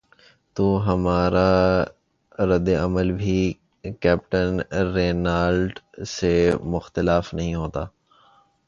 تو ہمارا رد عمل بھی کیپٹن رینالٹ سے مختلف نہیں ہوتا۔